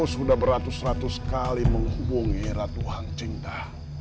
aku sudah beratus ratus kali menghubungi ratuan cinta